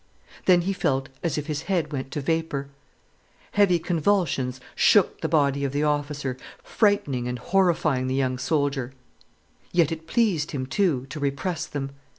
Then he felt as if his head went to vapour. Heavy convulsions shook the body of the officer, frightening and horrifying the young soldier. Yet it pleased him, too, to repress them.